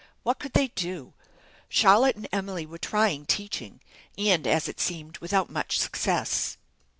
What could they do? Charlotte and Emily were trying teaching, and, as it seemed, without much success.